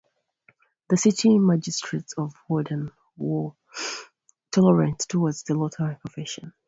The city magistrates of Woerden were tolerant towards the Lutheran confession.